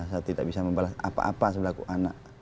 saya tidak bisa membalas apa apa selaku anak